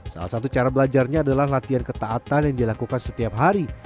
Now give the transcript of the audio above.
salah satu cara belajarnya adalah latihan ketaatan yang dilakukan setiap hari